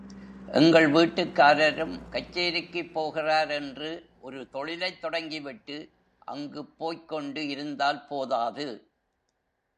எங்கள் வீட்டுக்காரரும் கச்சேரிக்குப் போகிறார் என்று ஒரு தொழிலைத் தொடங்கிவிட்டு அங்குப் போய்க்கொண்டு இருந்தால் போதாது.